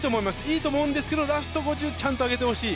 いいと思うんですけどラスト５０ｍちゃんと上げてほしい。